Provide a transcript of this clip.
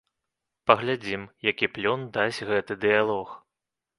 Паглядзім, які плён дасць гэты дыялог.